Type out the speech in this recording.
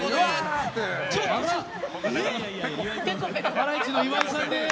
ハライチの岩井さんです！